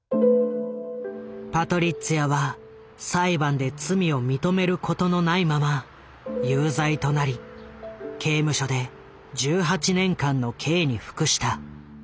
パトリッツィアは裁判で罪を認めることのないまま有罪となり刑務所で１８年間の刑に服した。